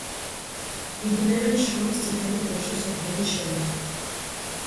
იბნევენ შრომის წითელი დროშის ორდენის შემდეგ.